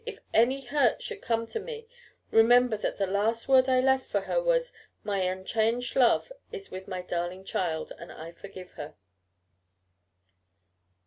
If any hurt should come to me, remember that the last word I left for her was, 'My unchanged love is with my darling child, and I forgive her.'"